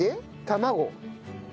卵。